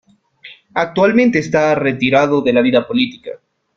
Actualmente está retirado de la vida política.